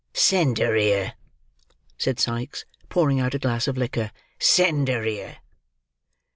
"Send her here," said Sikes, pouring out a glass of liquor. "Send her here."